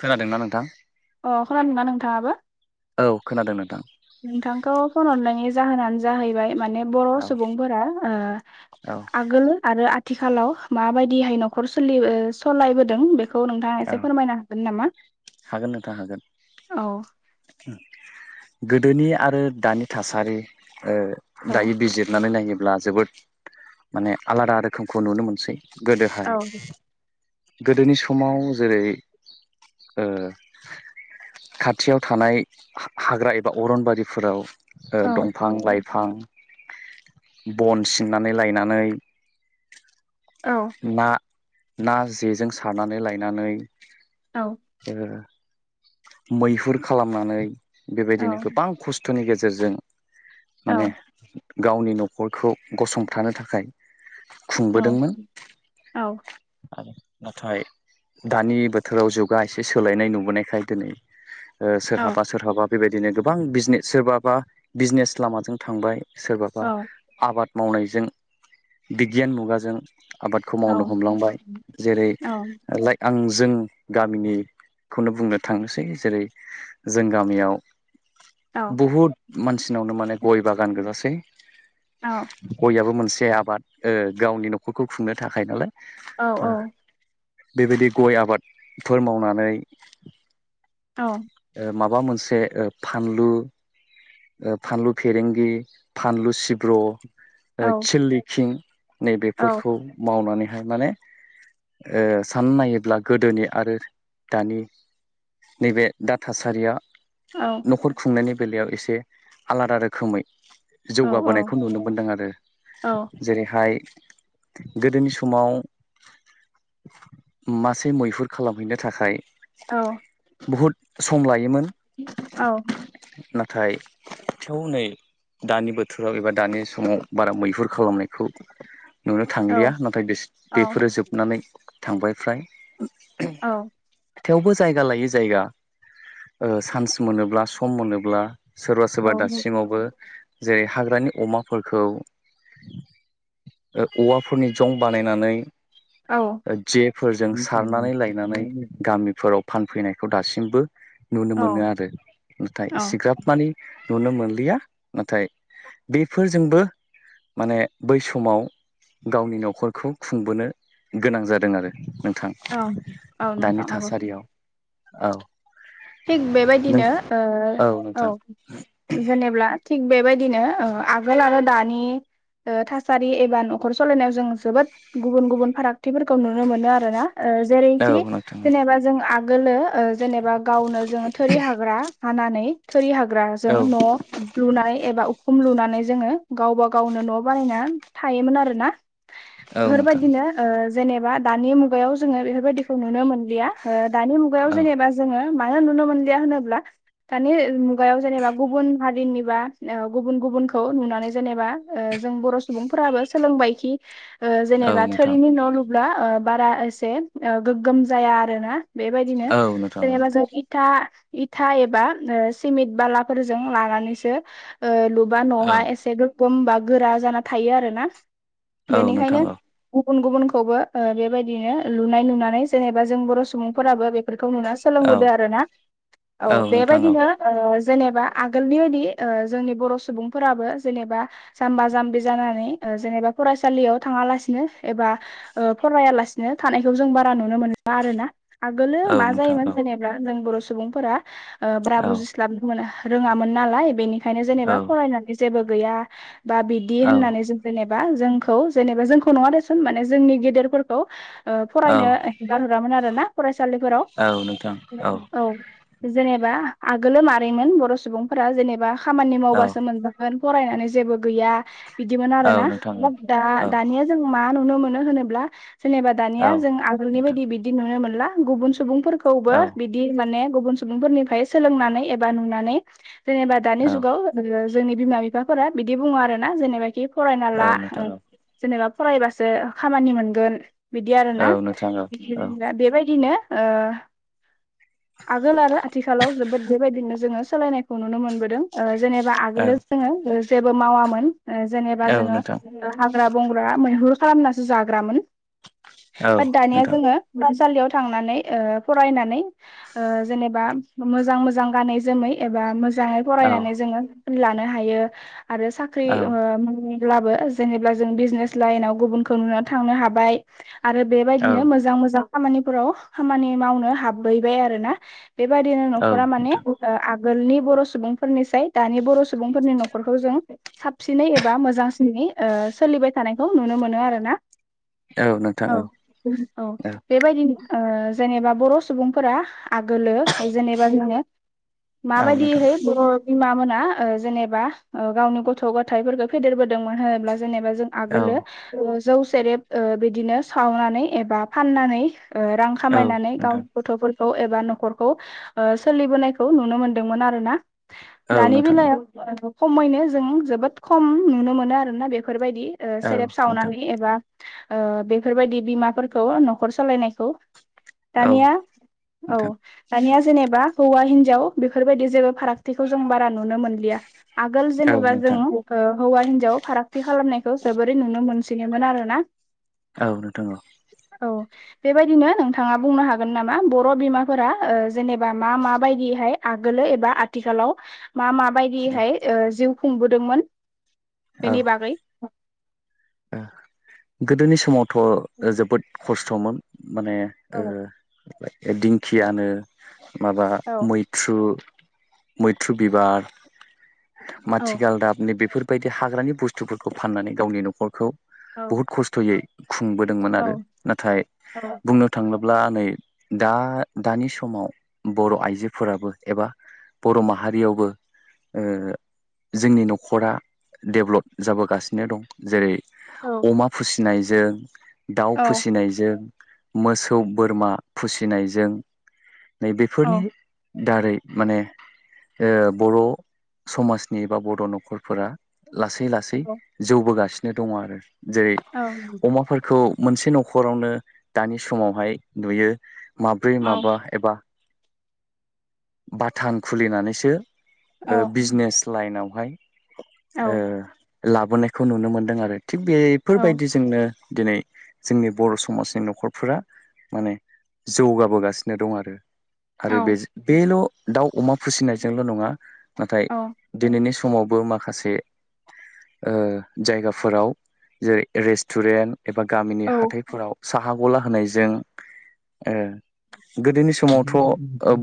खोनादोंना नोंथां? खोनादों ना नोंथाङाबो? औ खोनादों नोंथां नोंथांखौ फन हरनायनि जाहोनानो जाहैबाय माने बर' औ सुबुंफोरा ओ औ आगोल आरो आ थिखालाव माबायदिहाय न'खर सोलि ओ सलायबोदों बे औ नोंथाङा एसे फोरमायनो हागोन नामा? हागोन नोंथां हागोन औ गोदोनि आरो दानि थासारि ओ औ दायो बिजिरनानै नायोब्ला जोबोद मानि आलादा रोखोमखौ नुनो मोनसै औ गोदोहाय गोदोनि समाव जेरै ओ खाथियाव थानाय हाग्रा एबा अरनबारिफोआव ओ औ दंफां लाइफां बन सिननानै लायनानै औ ना ना जेजों सारनानै लायनानै औ ओ मैहुर खालामनानै बेबायदिनो औ गोबां खस्थ'नि गेजेरजों औ मानि गावनि न'खरखौ गसंथानो थाखाय औ खुंबोदोंमोन नाथाय दानि बोथोराव जुगा एसे सोलायनाय नुबोनायखाय दोनै ओ सोरहाबा सोरहाबा बेबायदिनो गोबां बिजनेस सोरबा बा बिजनेस लामाजों थांबाय सोरबा बा आबाद मावनायजों बिगियान मुगाजों आबादखौ औ मावनो हमलांबाय जेरै औ लाइक आं जों ओ गामिनिखौनो बुंनो थांनोसै जेरै जों गामियाव औ बुहुद मानसिनावनो माने गय बागान गोजासै ग'इआबो मोनसे आबाद ओ गावनि न'खरखौ खुंनो थाखाय नालाइ औ औ बेबायदि गय आबादफोर मावनानै औ [unintelligible] ओ मोनसे फानलु ओ फानलु फेरेंगि फानलु सिब्र' औ ओ खिललिखिं नैबेफोरखौ मावनानै माने ओ सान नायोब्ला गोदोनि आरो दानि नैबे दा थासारिया न'खर खुंनायनि बेलायाव एसे आलादा रोखोमै जौगाबोनायखौ नुनो मोनदों आरो जेरैहाय गोदोनि समाव [unintelligible] मासे मैहुर खालामहैनो थाखाय औ बुहुद सम लायोमोन औ नाथाय थेवनै दानि बोथोराव एबा दानि समाव बारा मैहुर खालामनायखौ नुनो थांलिया नाथाय बेस बेफोरो जोबनानै थांबाय फ्राय औ थेवबो जायगा लायै जायगा ओ चान्स मोनोब्ला सम मोनोब्ला सोरबा औ सोरबा औ दासिमावबो जेरै हाग्रानि अमाफोरखौ ओ औवाफोरनि जं बानायनानै औ ओ जेफोरजों सारनानै लायनानै गामिफोराव फानफैनायखौ दासिमबो नुनो मोनो आरो नाथाय औ इसेग्राब [unintelligible] नुनो मोनलिया नाथाय बेफोरजोंबो माने बै समाव गावनि न'खरखौ खुंबोनो गोनां जादों आरो नोंथां औ औ दानि नोंथां नंगौ थासारियाव औ थिग नों बेबायदिनो ओ औ नोंथां औ जेनेब्ला थिग बेबायदि बिदिनो आगोल आरो दानि ओ थासारि एबा न'खर सलायनायाव जों जोबोद गुबुन गुबुन फारागथिफोरखौ नुनो मोनो आरो ना ओ औ जेरैखि नोंथां जेनेबा जों आगोलो ओ जेनेबा गावनो जोंङो थोरि हाग्रा हानानै थोरि हाग्र जों औ न' लुनाय एबा उखुम लुनानै जोङो गावबागाव गावनो न' बानायना थायोमोन आरोना औ नोंथां बेफोरबायदिनोओ जेनेबा दानि मुगायाव जोङो बेफोरबायाददिखौ नुनो मोनलिया ओ दानि मुगायाव औ जेनेबा जोङो मानो नुनो मोनलिया होनोब्ला दानि मुगायाव जेनेबा गुबुन हारिनिबा ओ गुबुन गुब गुबुनखौ नुनानै जेनेबा ओ जों बर' सुबुंफोराबो सोलोंबायखि ओ औ जेनेबा नोंथां थोरिनि न' लुब्ला ओ बारा एसे ओ गोग्गोम जाया आरो ना बेबायदिनो औ नोंथां औ जेनेबा जों था इथा एबा ओ सिमिट बालाफोरजों लानानैसो ओ लु बा औ नहा एसे गोगोम बा गोरा जाना थायो आरोना औ नोंथां बेनिखायनो औ गुबुन गुबुनखौबो ओ बेबायदिनो लुनाय नुनानै जेनेबा जों बर' सुबुंफोराबो बेफोरखौ नुनानै औ सोलोंबोदो आरोना औ नोंथां औ बेबायदिनो ओ जेनेबा आगोलनि बायदि ओ जोंनि बर' सुबुंफोराबो जेनेबा जाम्बा जाम्बि जानानै ओ जेनेबा फरायसालियाव थाङा लासिनो एबा ओ फरायालासिनो थानायखौ जों बारा नुनो मोन बारोना आगोलो औ मा नोंथां औ जायोमोन जेनेबा जों बर' सुबुंफोरा ओ ब्रा औ बुजिस्लाबनो मोना रोङामोन नालाय बेनि खायनो औ जेनेबा फरायनानै जेबो गैया बा बिदि औ होननानै जों जेनेबा बा जोंखौ जेनेबा जोंखौ नङा दे सुन माने जोंनि गेदेरफोरखौ ओ फरायनो एंगारहरामोन आरोना फरायसालिफोराव औ नोंथां औ जेनेबा आगोलो मारैमोन बर' सुबुंफोरा जेनेबा खामानि औ मावबासो मोनजागोन फरायनानै जेबो गैया बिदिमोन औ आरोना नोंथां औ दा औ नोंथां औ दानिया जों मा नुनो मोनो होनोब्ला जेनेबा औ दानिया जों आगोलनि बायदि बिदि नुनो मोनला गुबुन सुबुंफोर खौबो बिदि माने गुबुन सुबुंफोरनिफ्राय सोलोंनानै एबा नुनानै जेनेबा औ दानि जुगाव ओ जोंनि बिमा बिफाफोरा बिदि बुङो आरोना जेनेबा कि फरायना ला नोंथां जेनेबा फरायबासो खामानि मोनगोन। बिदि औ नोंथां औ नोंथां आरोना औ नोंथां [unintelligible] बेबायदिनो ओ आगोल आरो आथिखालाव जोबोद बेबायदिनो जोङो सोलायनायखौ नुनो मोनबोदों ओ जेनेबा आगोलो जोङो ओ जेबो मावामोन। ओ जेनेबा जोङो हाग्रा बंग्रा मैहुर खालामनासो जाग्रामोन। भोथ दानिया जोङो फरायसालियाव थांनानै ओ फरायनानै ओ जेनेबा मोजां मोजां गानै जोमै एबा मोज जाङै औ फरायनानै जोङो [inaudible] लानो हायो आरो साख्रि औ ओम ब्लाबो जेनेब्ला जों बिजनेस लाइनव गुबुनखौ नुना थांनो हाबाय। आरो औ बेबायदिनो मोजां मोजां खामानिफोराव खामानि मावनो हाबयैबाय आरो ना। बेबायदिनो औ न'खरा माने नोंथां ओ आ गोलनि बर' सुबुंफोरनिसाय दानि बर' सुबुंफोरनि न'खरखौ जों साबसिनै एबा मोजांसिनै ओ सोलिबाय थानायखौ नुनो मोनो आरोना। औ औ बेबायदिनो ओ जेनेबा बर' सुबुंफोरा आगोलो जेनेबा जोङो औ नोंथां माबायदिहै बर' बिमामोन ना ओ जेनेबा ओ गावनि गथ' गथायफोरखौ फेदेरबोदोंमोन होनोब्ला जेनेबा जों औ आगोलो ओ जौ सेरेब ओ बिदिनो सावनानै एबा फाननानै ओ रां औ खामायनानै गाव नोंथां फोरखौ एबा न'खरखौ ओ सोलिबोनायखौ नुनो मोनदोंमोन आरो ना। औ दानि नोंथां बेलायाव खमैनो जों जोबोद खम नुनो मोनो आरोना बेफोरबाय दि ओ औ औ सेरेब नोंथां सावनानै एबा ओ बेफोरबायदि बिमाफोरखौ न'खर सालायनाय खौ औ दानिया औ नोंथां दानिया जेनेबा हौवा हिन जाव बेफोरबायदि जेबो फारागथिखौ जों बारा नुनो मोनलिया आगोल औ जेनेबा जों नोंथां ओ हौवा हिनजाव फारागथि खालामनाय खौ जोबोरै नुनो मोनसिगोनमोन आरो ना। औ नोंथां औ। औ बेबायदिनो नोंथाङा बुंनो हागोन ना मा बर' बिमाफोरा ओ जेनेबा मा मा बायदिहाय आगोलो एबा आथिखालाव मा मा माबायदिहाय ओ जिउ खुंबोदोंमोन बेनि बागै? ओ गोदोनि समावथ' जोबोद खस्थ'मोन माने औ ओ दिंखियानो माबा औ मैथ्रु, मैथ्रु बिबार औ माथिगालदाबनि बेफोरबायदि हाग्रानि बुस्थुफोरखौ फाननानै गावनि न'खरखौ औ बुहुत खस्थ'यै खुंबोदोंमोन औ आरो नाथाय बुंनो थाङो ब्ला नै दा दानि समाव बर' आइजोफोराबो एबा बर' माहारियावबो ओ जोंनि न'खरा डेभ्लप जाबोगासिनो दं जेरै औ अमा फोसिनायजों दाउ फोसिनायजों मोसौ बोरमा फोसिनायजों औ नैबेफोरनि दारै माने ओ बर' समाजनि बा बर' न'खरफोरा लासै लासै जौबोगासिनो दङ आरो जेरै औ अमाफोरखौ मोनसे न'खरावनो दानि समावहाय नुयो माब्रै औ माबा एबा बाथान खुलिनानैसो ओ औ बिजनेस लाइनावहाय औ ओ लाबोनायखौ नुनो मोनदों आरो थिक बेफोरबायदि जोंनो दिनै जोंनि बर' समाजनि न'खरफोरा माने जौगाबोगासिनो दं आरो औ आरो बेजो बेल' दाउ अमा फोसिनायजोंल' नङा नाथाय औ दिनैनि सम समावबो माखासे ओ जायगाफोराव जेरै रेस्टुरेन्ट एबा गामिनि औ हाथायफोराव साहा गला होनायजों ओ गोदोनि समावथ'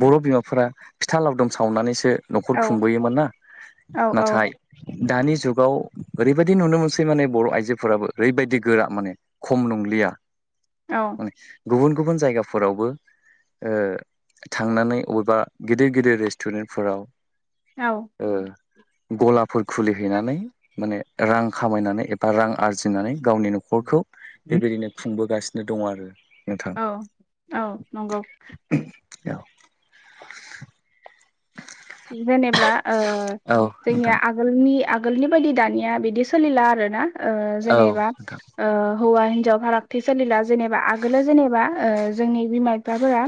बर' बिमाफोरा फिथा लावदुम सावनानैसो न'खर औ खुंबोयोमोन ना औ नाथाय दानि जुगाव ओरैबायदि नुनो मोन सै माने बर' आइजोफोराबो ओरैबायदि गोरा माने खम नंलिया औ माने गुबुन गुबुन जायगाफोरावबो ओ थांनानै अबेबा गेदिर गिदिर रेस्टुरेन्टफोराव ओ गलाफोर खुलिहैनानै माने रां खामायनानै एबा रां आरजिनानै गावनि न'खरखौ बेबायदिनो खुंबोगासिनो दङ आरो नोंथां औ औ नंगौ औ [unintelligible] जेनेब्ला ओ औ जोंनिया नोंथां आगोलनि आगोलनि बायदि दानिया बिदि सोलिला आरो ना ओ औ जेनेबा नोंथां ओ हौवा हिन्जाव फारागथि सोलिला जेनेबा आगोलो जेनेबा ओ जोंनि बिमा बिफाफोरा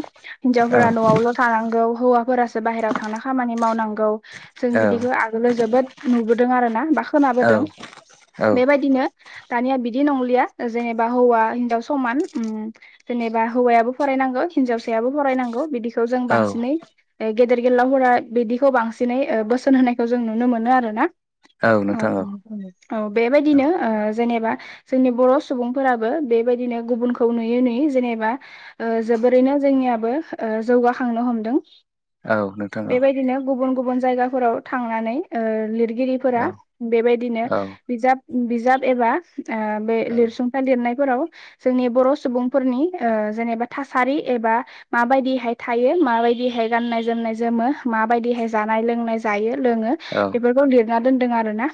औ हिनजावफोरा न'आवल' थानांगौ हौवाफोरासो बाहेरायाव थां खामानि मावनांगौ जों औ बिदिखौ आगोलोलो जोबोद नुबोदों आरो ना बा औ खोनाबोदों औ बेबायदिनो दानिया बिदि नंलिया जेनेबा हौवा हिनजाव समान उम जेनेबा हौवायाबो फरायनांगौ हिनजावसायाबो फरायनांगौ बिदिखौ जों औ बांसिनै गेदेर गेलाव हरा बिदिखौ बांसिनै ओ बोसोन होनायखौ जों नुनो मोनो आरो ना औ औ औ बेबायदिनो ओ जेनेबा जोंनि बर' सुबुंफोराबो बेबायदिनो गुबुनखौ नुयै नुयै जेनेबा ओ जोबोरैनो जोंनियाबो ओ जौगाखांनो हमदों औ नोंथां औ बेबायदिनो गुबुन गुबुन जायगाफोराव थांनानै लिर गिरिफोरा औ बेबायदिनो औ बिजाब बिजाब एबा बे लिरसुंथाइ लिरनाय फोराव जोंनि बर' सुबुंफोरनि जेनेबा थासारि एबा माबायदिहाय थायो माबायदिहाय गाननाय जोमनाय जोमो माबायदिहाय जानाय लोंनाय जायो लोङो औ बेफोरखौ लिरना दोनदों आरो ना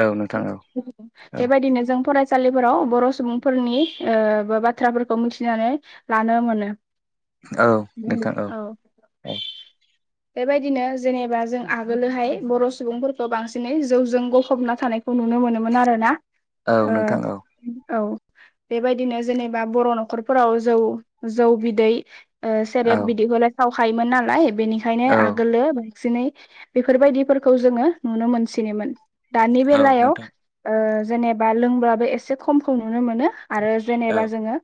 औ नोंथां औ औ बेबायदिनो जों फराय फरायसालिफोराव बर' सुबुंफोरनि बाथ्राफोरखौ मिथिनानै लानो मोनो। औ नोंथां औ औ बेबायदिनो जेनेबा जों आगोलोहाय बर' सुबुंफोरखौ बांसिनै जौजों गफबना थानाय खौ नुनो मोनोमोन आरो ना औ नोंथां औ बेबायदिनो जेनेबा बर' न'खरफोराव जौ जौ बिदै सेरेब औ बिदिखौलाय सावखायोमोन नालाय बेनिखायनो औ आगोलो बांसिनै बेफोरबायदिफोरखौ जोङो नुनो मोनसिनोमोन दानि औ बेलायाव नोंथां जेनेबा लोंब्लाबो एसे खमखौ नुनो मोनो आरो जेनेबा औ जोङो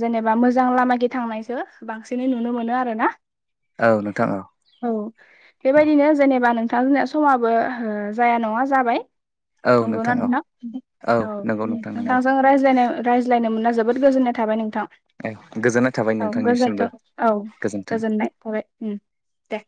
जेनेबा मोजां लामाथिं थांनायखो बांसिनै नुनो मोनो आरो ना औ नोंथां औ औ बेबायदिनो जेनेबा नों नोंथां जोंना समाबो जाया नङा जाबाय औ नंगौना औ नोंथां औ नंगौ नोंथां नंगौ नोंथांजों रायज्लायनो मोनना जोबोद गोजोननाय थाबाय नोंथां औ गोजोननाय थाबाय औ नोंथांनिसिमबो गोजोनथों औ गोजोन्थों गोजोननाय थाबाय दे